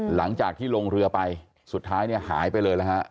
หลังจากที่ลงเรือไปสุดท้ายเนี่ยหายไปเลยนะฮะ